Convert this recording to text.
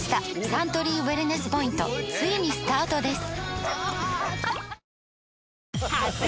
サントリーウエルネスポイントついにスタートです！